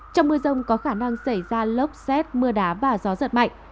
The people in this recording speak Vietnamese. trong mưa rông có khả năng xảy ra lốc xét mưa đá và gió giật mạnh